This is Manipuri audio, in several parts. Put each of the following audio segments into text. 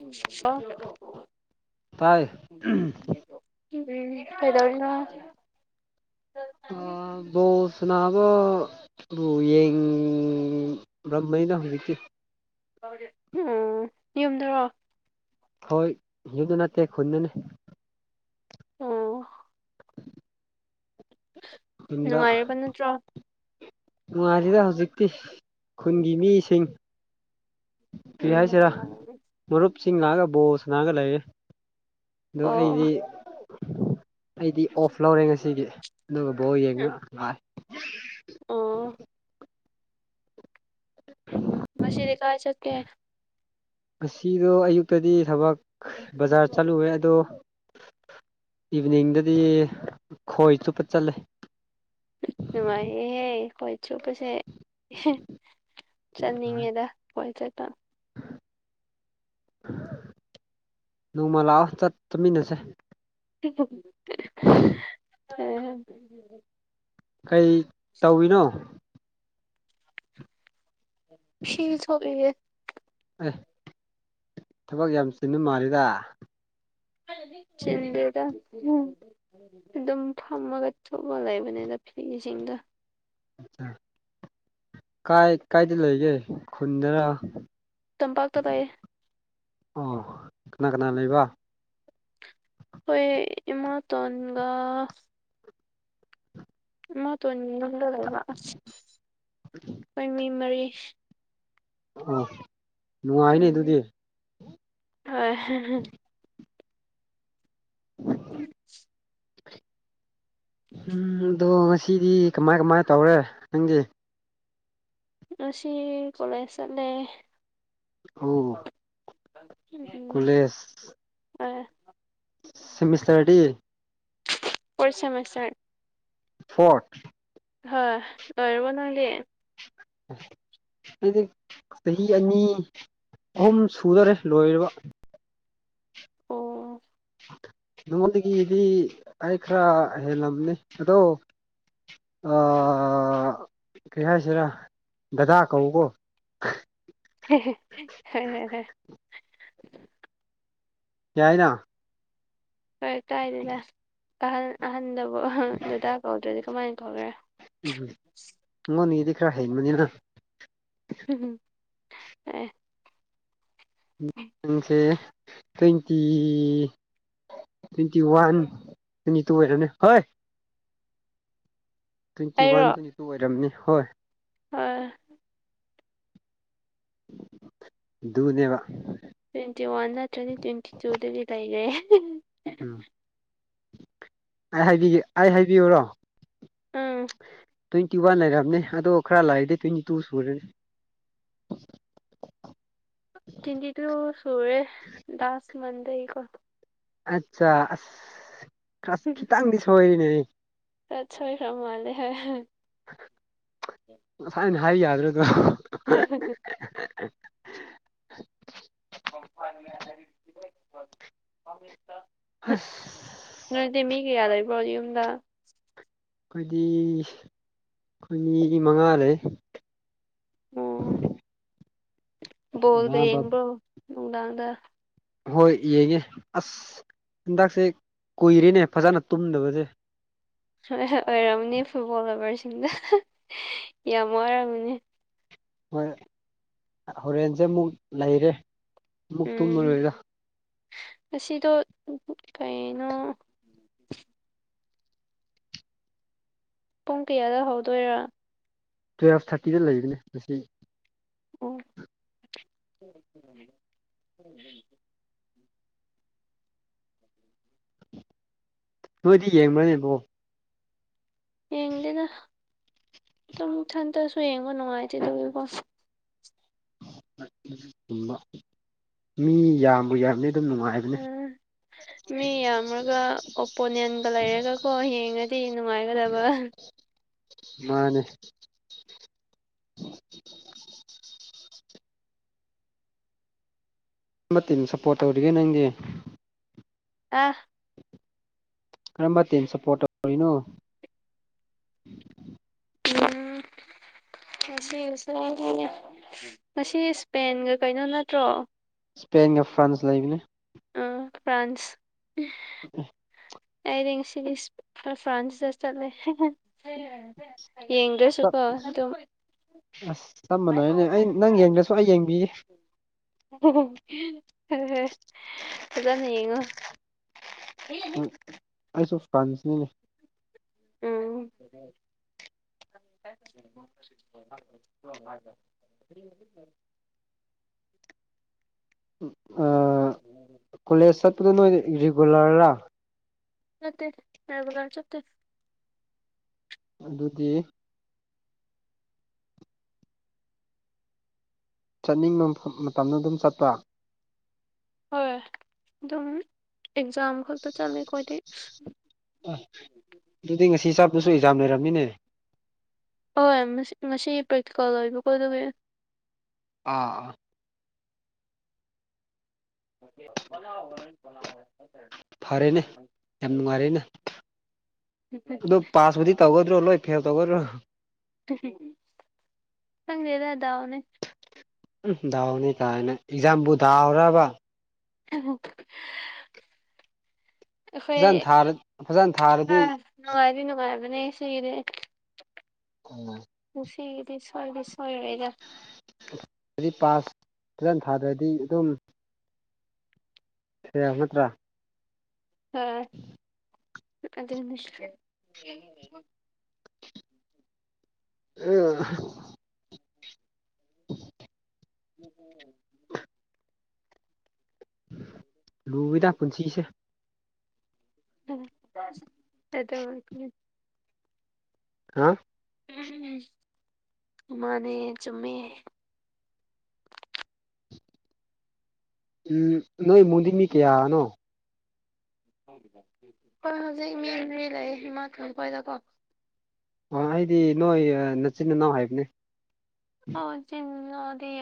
[unintelligible] ꯎꯝ ꯇꯥꯏ ꯀꯩꯗꯧꯔꯤꯅ‌ꯣ ꯁꯅꯥꯕ ꯗꯨ ꯌꯦꯡꯔꯝꯕꯅꯤꯗ ꯍꯧꯖꯤꯛꯇꯤ ꯎꯝ ꯌꯨꯝꯗꯔꯣ ꯍꯣꯏ ꯌꯨꯝꯗ ꯅꯠꯇꯦ ꯈꯨꯟꯗꯅꯦ ꯑꯣ [unintelligible] ꯈꯨꯟꯗ ꯅꯨꯡꯉꯥꯏꯔꯤꯕ ꯅꯠꯇ꯭ꯔꯣ ꯅꯨꯡꯉꯥꯏꯔꯤꯗ ꯍꯧꯖꯤꯛꯇꯤ ꯈꯨꯟꯒꯤ ꯃꯤꯁꯤꯡ [unintelligible] ꯎꯝ ꯍꯥꯏꯁꯤꯔꯥ ꯃꯔꯨꯞꯁꯤꯡ ꯉꯥꯛꯑꯒ ꯕꯣꯁꯅꯥꯒ ꯂꯩꯔ ꯑꯗꯣ ꯑꯩꯗꯤ ꯑꯣ ꯑꯩꯗꯤ ꯑꯣꯐ ꯂꯧꯔꯦ ꯉꯁꯤꯒꯤ ꯕꯣꯜ ꯌꯦꯡꯉꯥ [unintelligible] ꯑꯣ [unintelligible] ꯉꯁꯤꯗꯤ ꯀꯥꯏ ꯆꯀꯦ ꯉꯁꯤꯗꯣ ꯑꯌꯨꯛꯇꯗꯤ ꯊꯕꯛ ꯕꯖꯥꯔ ꯆꯠꯂꯨꯨꯔꯦ ꯑꯗꯣ ꯏꯚꯅꯤꯡꯗꯗꯤ ꯈꯣꯏ ꯆꯣꯞꯄ ꯆꯠꯂꯦ ꯅꯨꯡꯉꯥꯏꯦꯍꯦ ꯈꯣꯏ ꯆꯣꯞꯄꯁꯦ ꯆꯠꯅꯤꯡꯉꯦꯗ ꯈꯣꯏ ꯆꯠꯇ ꯅꯣꯡꯃ ꯂꯥꯛꯑꯣ ꯆꯠ ꯆꯠꯃꯤꯟꯅꯁꯦ ꯑ ꯀꯩ ꯇꯧꯏꯅꯣ [unintelligible] ꯑꯦ ꯊꯕꯛ ꯌꯥꯝ ꯆꯤꯟꯅ ꯃꯥꯜꯂꯤꯗ ꯆꯤꯟꯗꯦꯗ ꯎꯝ ꯑꯗꯨꯝ ꯐꯝꯃꯒ ꯊꯨꯞꯂ ꯂꯩꯕꯅꯤꯅ ꯐꯤ ꯁꯤꯡꯗꯣ ꯀꯥꯏ ꯀꯥꯏꯗ ꯂꯩꯒꯦ ꯈꯨꯟꯗꯅ ꯇꯝꯄꯥꯛ ꯇ ꯂꯩꯌꯦ ꯑ ꯀꯅꯥ ꯀꯅꯥ ꯂꯩꯕ ꯍꯣꯏ ꯏꯃꯥ ꯇꯣꯟꯒ ꯃꯥꯇꯣꯟ ꯌꯂꯒ ꯂꯑ ꯑꯩꯈꯣꯏ ꯃꯤ ꯃꯔꯤ ꯑꯥ ꯅꯨꯡꯉꯥꯏꯅꯤ ꯎꯝ ꯑꯗꯨꯗꯤ ꯍꯣꯏ [inaudible] ꯎꯝ ꯑꯗꯣ ꯉꯁꯤꯗꯤ ꯀꯃꯥꯏ ꯀꯃꯥꯏ ꯇꯧꯔꯦ ꯅꯪꯒꯤ ꯉꯁꯤ ꯀꯂꯦꯖ ꯆꯠꯂꯦ ꯑꯣ ꯎꯝ ꯀꯣꯂꯦꯖ [unintelligible] ꯁꯤꯃꯤꯁꯇꯔꯗꯤ ꯐꯔꯣꯠ ꯁꯦꯃꯤꯁꯇꯔꯥ ꯐꯣꯔꯠ ꯍꯣꯏ ꯂꯣꯏꯔꯕꯣ ꯅꯪꯗꯤ ꯗꯤ ꯆꯍꯤ ꯑꯅꯤ ꯑꯍꯨꯝ ꯁꯨꯗꯔꯦ ꯂꯣꯏꯔꯦꯕ ꯑꯣ ꯅꯉꯣꯟꯗꯒꯤꯗꯤ ꯑꯩ ꯈꯔ ꯍꯦꯜꯂꯝꯅꯤ ꯑꯗꯣ ꯑꯥ ꯀꯩ ꯍꯥꯏꯁꯤꯔ ꯗꯗꯥ ꯀꯧꯀꯣ ꯍꯦ ꯍꯦ ꯁꯣꯏꯔꯦꯅꯦ ꯌꯥꯏꯅꯥ ꯐꯔꯦ ꯀꯥꯏꯗ ꯂ ꯑꯍꯟ ꯑꯍꯟꯗꯕꯨ ꯗꯗꯥ ꯐꯧꯗ꯭ꯔꯗꯤ ꯀꯃꯥꯏꯅ ꯇꯧꯈ꯭ꯔꯦ ꯎꯝ ꯎꯣꯅꯤꯗꯤ ꯈꯔ ꯍꯥꯏ ꯃꯅꯤꯅ ꯑꯦ [inaudible] [unintelligible] twenty twenty one twenty two ꯑꯣꯏꯔꯣꯅꯦ ꯍꯣꯏ ꯇ꯭ꯋꯦꯟꯇꯤ ꯑꯩꯔꯣ ꯋꯥꯟ ꯇ꯭ꯋꯦꯟꯇꯤ ꯇꯨ ꯑꯣꯏꯔꯕꯝꯅꯤ ꯍꯣꯏ ꯍꯣꯏ ꯗꯨꯅꯦꯕ ꯇ꯭ꯋꯦꯟꯇꯤ ꯋꯥꯟ ꯅꯠꯇ꯭ꯔꯗꯤ ꯇ꯭ꯋꯦꯟꯇꯤ ꯇꯨꯗꯗꯤ ꯂꯩꯒꯔꯦ ꯎꯝ ꯑꯩ ꯍꯥꯏꯕꯤꯒꯦ ꯑꯩ ꯍꯥꯏꯕꯤꯌꯨꯔꯣ ꯑꯪ ꯇ꯭ꯋꯦꯟꯇꯤ ꯋꯥꯟ ꯂꯩꯔꯕꯅꯦ ꯑꯗꯣ ꯈꯔ ꯂꯥꯏꯗꯤ ꯇ꯭ꯋꯦꯟꯇꯤ ꯇꯨ ꯁꯨꯔꯅꯤ ꯇ꯭ꯋꯦꯟꯇꯤꯇꯨ ꯁꯨꯔꯦ ꯗꯥꯁ ꯃꯟꯗꯒꯤ ꯀꯣ ꯑꯠꯆꯥ ꯑꯁ ꯀ ꯍꯨꯝ ꯈꯤꯇꯪꯗꯤ ꯁꯣꯏꯔꯤꯅꯦꯑꯩ ꯑꯠ ꯁꯣꯏꯈꯔ ꯃꯥꯜꯂꯦ ꯍꯍꯦ ꯉꯁꯥꯏꯅ ꯍꯥꯏ ꯌꯥꯗ꯭ꯔꯗꯣ ꯍ ꯍ ꯍ ꯀꯝ ꯐꯅꯤ ꯍꯥꯏ [unintelligible] ꯍꯁ ꯅꯣꯏꯗꯤ ꯃꯤ ꯀꯌꯥ ꯂꯩꯕ꯭ꯔꯣ ꯌꯨꯝꯗ ꯑꯩꯈꯣꯏꯗꯤ ꯑꯩꯈꯣꯏ ꯃꯤ ꯃꯉꯥ ꯂꯩ ꯑꯣ ꯕꯣꯜ ꯒ ꯏꯃꯥ ꯕꯕꯥ ꯌꯦꯡꯕ꯭ꯔꯣ ꯅꯨꯡꯗꯥꯡꯗ ꯍꯣꯏ ꯌꯦꯡꯉꯦ ꯑꯁ ꯍꯟꯗꯛꯁꯦ ꯀꯨꯏꯔꯦꯅꯦ ꯐꯖꯅ ꯇꯨꯝꯗꯕꯖꯦ ꯍꯣꯏꯍꯣꯏ ꯑꯣꯏꯔꯝꯃꯅꯦ ꯐꯨꯠꯕꯣꯜ ꯂꯕꯔꯁꯤꯡꯗ ꯌꯥꯝ ꯋꯥꯔꯝꯃꯅꯤ ꯍꯣꯏ ꯍꯣꯔꯦꯟꯁꯦ ꯑꯃꯨꯛ ꯂꯩꯔꯦ ꯑꯃꯨꯛ ꯎꯝ ꯇꯨꯝꯃꯔꯣꯏꯗ ꯉꯁꯤꯗꯣ ꯀꯩꯅꯣ ꯄꯨꯡ ꯀꯌꯥꯗ ꯍꯧꯗꯣꯏꯔꯥ ꯇꯨꯌꯦꯜꯐ ꯊꯥꯔꯇꯤꯗ ꯂꯩꯕꯅꯤ ꯉꯁꯤ ꯑꯣ ꯅꯣꯏꯗꯤ ꯌꯦꯡꯕ꯭ꯔꯅꯦ ꯕꯣ ꯌꯦꯡꯗꯦꯗ ꯇꯨꯝꯏꯊꯟꯇꯁꯨ ꯌꯦꯡꯕ ꯅꯨꯡꯉꯥꯏꯇꯦ ꯗꯨꯒꯤꯀꯣ ꯕ ꯃꯤ ꯌꯥꯝꯕꯨ ꯌꯥꯝꯗꯤ ꯑꯗꯨꯝ ꯅꯨꯡꯉꯥꯏꯕꯅꯦ ꯎꯝ ꯃꯤ ꯌꯥꯝꯔꯒ ꯑꯣꯄꯣꯅꯦꯟꯒ ꯂꯩꯔꯒꯀꯣ ꯌꯦꯡꯔꯗꯤ ꯅꯨꯡꯉꯥꯏꯒꯗꯕ ꯃꯥꯅꯤ ꯀꯝꯕ ꯇꯤꯝ ꯁꯞꯄꯣꯔꯠ ꯇꯧꯔꯤꯒꯦ ꯅꯪꯗꯤ ꯑꯥ ꯀꯔꯝꯕ ꯇꯤꯝ ꯁꯞꯄꯣꯔꯠ ꯇꯧꯔꯤꯅꯣ ꯎꯝ ꯉꯁ ꯉꯁꯤ ꯏꯁꯄꯦꯟꯒ ꯀꯩꯅꯣ ꯅꯠꯇ꯭ꯔꯣ ꯏꯁꯄꯦꯟꯒ ꯐ꯭ꯔꯥꯟꯁ ꯂꯩꯕꯅꯦ ꯐ꯭ꯔꯥꯟꯁ [inaudible] ꯑꯩꯗꯤ ꯉꯁꯤꯗꯤ ꯐ꯭ꯔꯥꯟꯁꯇ ꯆꯠꯂꯦ ꯌꯦꯡꯗ ꯆꯞ [unintelligible] ꯑꯗꯨ ꯑꯁ ꯆꯞ ꯃꯥꯟꯅꯦꯅꯦ ꯑꯩ ꯅꯪ ꯌꯦꯡꯗꯁꯨ ꯑꯩ ꯌꯦꯡꯕꯤꯌꯦ ꯎ ꯐꯖꯅ ꯌꯦꯡꯉꯣ ꯍꯣꯏ ꯑꯩꯁꯨ ꯐ꯭ꯔꯥꯟꯁꯅꯤꯅꯦ ꯎꯝ [unintelligible] ꯀꯣꯂꯦꯖ ꯆꯠꯄꯗꯣ ꯅꯣꯏ ꯔꯤꯒꯨꯂꯔꯔꯥ ꯅꯠꯇꯦ ꯔꯦꯒꯨꯂꯔ ꯆꯠꯇꯦ ꯑꯗꯨꯗꯤ ꯆꯠꯅꯤꯡꯕ ꯃꯇꯝꯗ ꯑꯗꯨꯝ ꯆꯠꯄ ꯍꯣꯏ ꯑꯗꯨꯝ ꯑꯦꯛꯖꯥꯝ ꯈꯛꯇ ꯆꯠꯂꯦ ꯑꯩꯈꯣꯏꯗꯤ ꯑ ꯑꯗꯨꯗꯤ ꯉꯁꯤ ꯆꯥꯞꯄꯁꯨ ꯑꯦꯛꯖꯥꯝ ꯂꯩꯔꯝꯅꯤꯅꯦ ꯍꯣꯏ ꯃꯁꯤ ꯉꯁꯤ ꯄ꯭ꯔꯦꯛꯇꯤꯀꯜ ꯑꯣꯏꯕꯀꯣ ꯑꯗꯨꯒꯤ ꯑꯥ [unintelligible] ꯐꯔꯦꯅꯦ ꯌꯥꯝ ꯅꯨꯡꯉꯥꯏꯔꯦꯅꯦ ꯑꯗꯣ ꯄꯥꯁꯕꯨꯨꯗꯤ ꯇꯧꯒꯗ꯭ꯔꯣ ꯂꯣꯏ ꯐꯦꯜ ꯇꯧꯒꯗ꯭ꯔꯣ ꯈꯪꯗꯦꯗꯗꯥ ꯑꯣꯅꯦ ꯎꯝ ꯗꯥꯎꯅꯤ ꯀꯥꯏꯅ ꯑꯦꯛꯖꯥꯝꯕꯨ ꯗꯥꯎꯔꯕ ꯐꯖꯅ ꯑꯩꯈꯣꯏ ꯊꯥꯔ ꯐꯖꯅ ꯊꯥꯔꯗꯤ ꯅꯨꯡꯉꯥꯏꯗꯤ ꯅꯨꯡꯉꯥꯏꯕꯅꯦ ꯁꯤꯒꯤꯗꯤ ꯎꯝ ꯉꯁꯤꯒꯤꯗꯤ ꯁꯣꯏꯗꯤ ꯁꯣꯏꯔꯣꯏꯗ ꯗꯤ ꯄꯥꯁꯖꯟ ꯊꯥꯗ꯭ꯔꯗꯤ ꯑꯗꯨꯝ ꯍꯦ ꯅꯠꯇ꯭ꯔꯥ ꯑ ꯑꯗꯨ ꯑ [inaudible] [inaudible] ꯂꯨꯕꯗ ꯄꯨꯟꯁꯤꯁꯦ ꯎꯝ ꯑꯗꯣ ꯍꯥ ꯎꯝ ꯃꯥꯅꯦ ꯆꯨꯝꯃꯦ ꯎꯝ ꯅꯣꯏ ꯏꯃꯨꯗꯤ ꯃꯤ ꯀꯌꯥꯅꯣ ꯍꯣꯏ ꯍꯧꯖꯤꯛ ꯃꯤ ꯂꯩ ꯏꯃꯥꯊꯈꯣꯏꯗꯀꯣ ꯑꯣ ꯑꯩꯗꯤ ꯅꯣꯏ ꯅꯆꯤꯟ ꯏꯅꯥꯎ ꯍꯥꯏꯕꯅꯦ ꯍ ꯆꯅꯗꯤ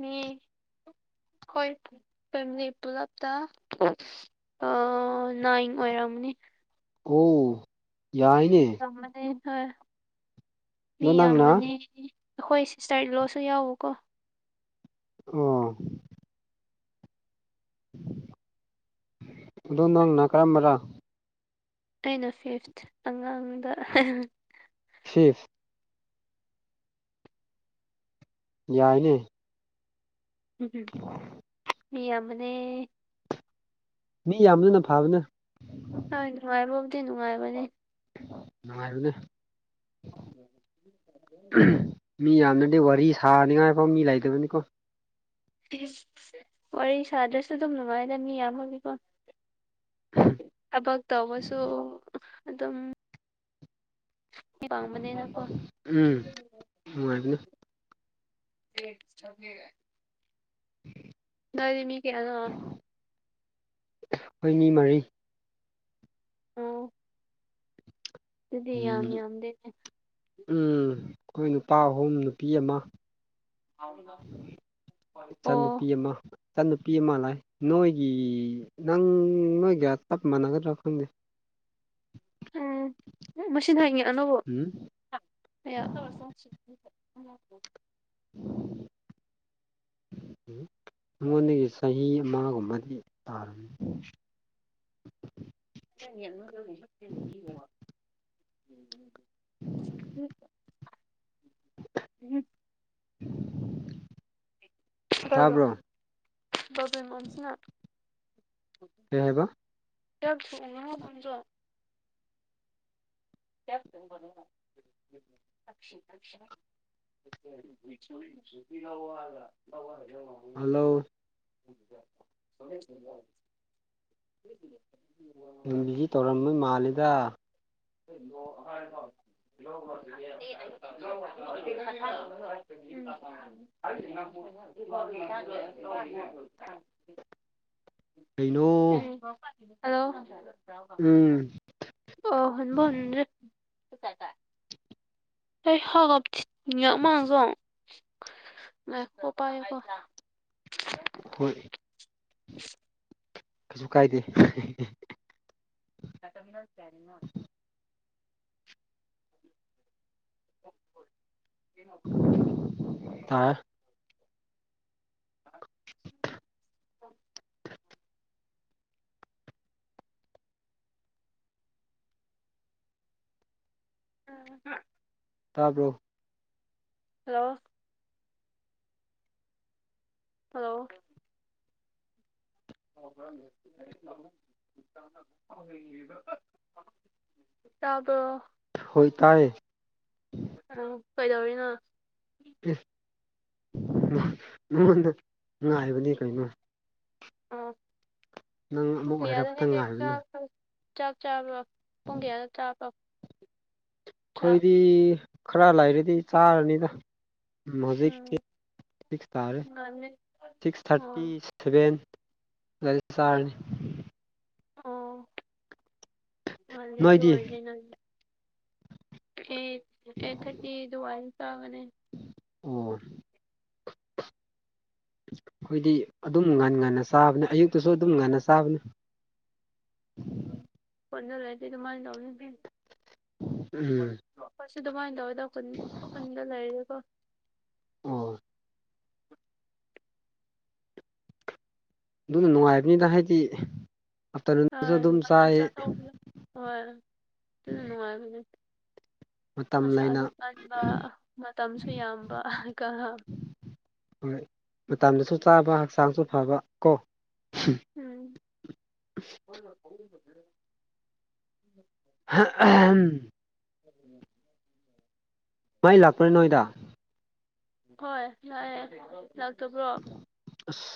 ꯃꯤ ꯍꯣꯏ ꯐꯦꯃꯤꯂꯤ ꯄꯨꯂꯞꯇ ꯑ ꯅꯥꯏꯟ ꯑꯣꯏꯔꯝꯅꯦ [unintelligible] ꯌꯥꯏꯅꯦ ꯑꯃꯅꯤꯅꯦ ꯍꯣꯏ ꯃꯤ ꯑꯗꯣ ꯅꯪꯅ ꯌꯥꯝꯅꯦ ꯑꯩꯈꯣꯏ ꯁꯤꯁꯇꯔꯔꯤ ꯂꯣꯁꯨ ꯌꯥꯎꯀꯣ ꯑꯣ ꯑꯗꯣ ꯅꯪꯅ ꯀꯔꯝꯕꯔꯥ ꯑꯩꯅ ꯐꯤꯐ ꯑꯉꯥꯡꯗ ꯁꯤꯁ ꯌꯥꯏꯅꯦ ꯎꯝ ꯃꯤ ꯑꯅꯦ ꯃꯤ ꯌꯥꯝꯕꯗꯨꯅ ꯐꯕꯅ ꯍꯣꯏ ꯅꯨꯡꯉꯥꯏꯕꯕꯨꯗꯤ ꯅꯨꯡꯉꯥꯏꯕꯅꯦ ꯅꯨꯡꯉꯥꯏꯕꯅꯦ ꯃꯤ ꯌꯥꯝꯗ꯭ꯔꯗꯤ ꯋꯥꯔꯤ ꯁꯥꯅꯤꯉꯥꯏꯐꯥꯎ ꯃꯤ ꯂꯩꯇꯕꯅꯤꯀꯣ ꯋꯥꯔꯤ ꯁꯥꯗ꯭ꯔꯁꯨ ꯑꯗꯨꯝ ꯅꯨꯡꯉꯥꯏꯗꯅꯤ ꯌꯥꯝꯕꯒꯤꯀꯣ ꯊꯕꯛ ꯇꯧꯕꯁꯨ ꯑꯗꯨꯝ ꯋꯥꯝꯕꯅꯦꯅ ꯀꯣ ꯎꯝ ꯅꯨꯡꯉꯥꯏꯕꯅꯦ [unintelligible] [inaudible] ꯅꯗꯤ ꯃꯤ ꯀꯌꯥ ꯍꯣꯏꯅꯤ ꯃꯔꯤ ꯑꯣ ꯑꯗꯨꯗꯤ ꯌꯥꯝ ꯎꯝ ꯌꯥꯝꯗꯦꯗꯤ ꯎꯝ ꯑꯩꯈꯣꯏ ꯅꯨꯄꯥ ꯑꯍꯨꯝ ꯅꯨꯄꯤ ꯑꯃ ꯏꯆꯥ ꯅꯨꯨꯄꯤ ꯑꯣ ꯑꯃ ꯏꯆꯟꯅꯨꯄꯤ ꯑꯃ ꯂꯩ ꯅꯣꯏꯒꯤ ꯅꯪ ꯅꯣꯏꯒ ꯆꯞ ꯃꯥꯟꯅꯒꯗ꯭ꯔꯥ ꯈꯪꯗꯦ ꯎꯝ ꯎ ꯃꯁꯤ ꯉꯍꯥꯟꯒꯤ ꯑꯅꯧꯕ ꯎꯝ [unintelligible] [inaudible] ꯅꯉꯣꯟꯗꯒꯤ ꯆꯍꯤ ꯑꯃꯒꯨꯝꯕꯗꯤ [unintelligible] [inaudible] [unintelligible] ꯇꯥꯕ꯭ꯔꯣ [unintelligible] ꯀꯩ ꯍꯥꯏꯕ [unintelligible] [unintelligible] [unintelligible] ꯍꯜꯂꯣ [unintelligible] [unintelligible] ꯌꯨꯝꯕꯤꯁꯤ ꯇꯧꯔꯝꯕ ꯃꯥꯂꯦꯗ [unintelligible] [unintelligible] [unintelligible] ꯀꯩꯅꯣ ꯎꯝ ꯎꯝ ꯍꯜꯂꯣ [unintelligible] [unintelligible] [unintelligible] ꯉꯥꯏꯈꯣ ꯄꯥꯏꯌꯣꯀꯣ ꯍꯣꯏ ꯀꯁꯨ ꯀꯥꯏꯗꯦ [unintelligible] [inaudible] ꯇꯥꯏ [unintelligible] ꯇꯥꯕ꯭ꯔꯣ ꯍꯜꯂꯣ ꯍꯜꯂꯣ ꯍ ꯇꯕꯣ ꯍꯣꯏ ꯇꯥꯏ ꯑ ꯀꯩꯗꯧꯔꯤꯅꯣ ꯅꯉꯣꯟꯗ ꯉꯥꯏꯕꯅꯤ ꯀꯩꯅꯣ ꯑ ꯅꯪ ꯄꯨꯡ ꯑꯃꯨꯛ ꯀꯌꯗ ꯍꯥꯏꯔꯛꯇ ꯍꯥꯏꯒꯦ ꯆꯥ ꯉꯥꯏꯕꯅꯦ ꯆꯛ ꯆꯥꯕ ꯄꯨꯡ ꯀꯌꯥꯗ ꯆꯥꯕ ꯑꯩꯈꯣꯏꯗꯤ ꯈꯔ ꯂꯩꯔꯗꯤ ꯆꯥꯔꯅꯤꯗ ꯍꯧꯖꯤꯛ ꯎꯝ ꯇꯔꯦ ꯉꯜꯂꯦ ꯁꯤꯛꯁ ꯊꯥꯔꯇꯤ ꯑꯣ ꯁꯕꯦꯟ ꯑꯗ꯭ꯥꯏꯗ ꯆꯥꯔꯅꯤ ꯑꯣ [unintelligible] ꯅꯣꯏꯗꯤ ꯑꯣꯏꯗꯤ ꯅꯪ ꯑꯦꯠ ꯑꯦꯠ ꯊꯔꯇꯤ ꯗꯨꯋꯥꯏ ꯆꯥꯒꯅꯤ ꯑꯣ ꯑꯩꯈꯣꯏꯗꯤ ꯑꯗꯨꯝ ꯉꯟ ꯉꯟꯅ ꯆꯥꯕꯅꯦ ꯑꯌꯨꯛꯇꯁꯨ ꯑꯗꯨꯝ ꯉꯟꯅ ꯆꯥꯕꯅꯦ ꯈꯨꯟꯗ ꯂꯩꯗꯤ ꯑꯗꯨꯃꯥꯏ [unintelligible] ꯎꯝ [unintelligible] ꯑꯗꯨꯃꯥꯏꯅ ꯇꯧꯋꯦꯗ ꯈꯨꯟ ꯈꯨꯟꯗ ꯂꯩꯔꯤꯀꯣ ꯑꯣ ꯑꯗꯨꯅ ꯅꯨꯡꯉꯥꯏꯕꯅꯤꯅ ꯍꯥꯏꯗꯤ ꯑꯥꯞꯇꯔꯅꯨꯟꯗꯁꯨ ꯍꯣꯏ ꯑꯗꯨꯝ ꯉꯟꯅ ꯆꯥꯏ ꯆꯥꯊꯣꯛꯄꯗꯣ ꯍꯣꯏ ꯗꯨꯅ ꯅꯨꯡꯉꯥꯏꯕꯅꯦ ꯃꯇꯝ ꯂꯩꯅ ꯃꯁꯥꯁꯨ ꯀꯟꯕ ꯃꯇꯝꯁꯨ ꯌꯥꯝꯕ ꯍꯣꯏ ꯃꯇꯝꯗꯁꯨ ꯆꯥꯕ ꯍꯛꯆꯥꯡꯁꯨ ꯐꯕ ꯀꯣ ꯎꯝ [unintelligible] ꯎꯝ ꯎꯝ ꯃꯥꯏ ꯂꯥꯛꯄ꯭ꯔꯥ ꯅꯣꯏꯗ ꯍꯣꯏ ꯂꯥꯛꯑꯦ ꯂꯥꯛꯇꯕ꯭ꯔꯣ ꯑꯁ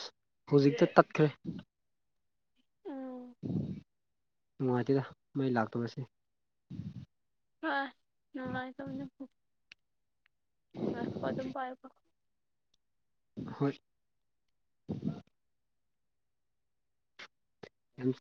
ꯍꯧꯖꯤꯛꯇ ꯇꯠꯈ꯭ꯔꯦ ꯎꯝ ꯅꯨꯡꯉꯥꯏꯇꯦꯗ ꯃꯩ ꯂꯥꯛꯇꯕꯁꯦ ꯍ ꯅꯨꯡꯉꯥꯏ ꯑ ꯉꯥꯏꯈꯣ ꯑꯗꯨꯝ ꯄꯥꯏꯌꯨꯀꯣ ꯍꯣꯏ ꯌꯥꯝ